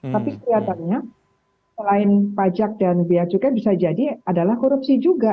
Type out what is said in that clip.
tapi kelihatannya selain pajak dan biaya cukai bisa jadi adalah korupsi juga